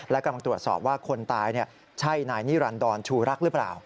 และกำลังตรวจสอบว่าคนตายใช่นายนิรันดรชูรักหรือเปล่า